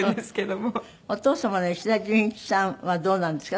お父様の石田純一さんはどうなんですか？